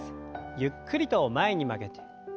ゆっくりと前に曲げて。